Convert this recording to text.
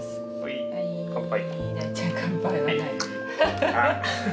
乾杯！